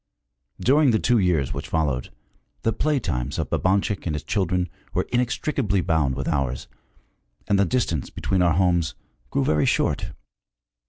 During the two years which followed, the play times of Babanchik and his children were inextricably bound with ours, and the distance between our homes grew very short.